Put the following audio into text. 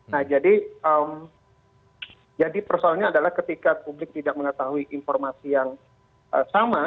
nah jadi persoalannya adalah ketika publik tidak mengetahui informasi yang sama